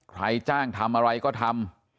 ใครจ้างทำอะไรก็ทำ